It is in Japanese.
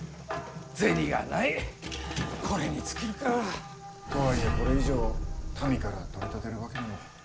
銭がないこれに尽きるか。とはいえこれ以上民から取り立てるわけにも。